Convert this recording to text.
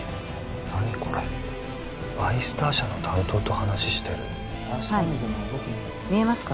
何これバイスター社の担当と話してるはい見えますか？